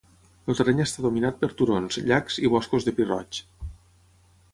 El terreny està dominat per turons, llacs i boscos de pi roig.